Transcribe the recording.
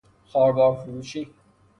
خواربار فروشی